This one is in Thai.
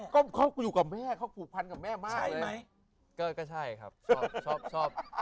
ก็เขาอยู่กับแม่เขาผูกพันกับแม่มากเลยก็ก็ใช่ครับชอบชอบชอบ